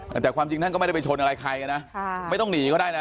แต่ความจริงท่านก็ไม่ได้ไปชนอะไรใครอ่ะนะค่ะไม่ต้องหนีก็ได้นะ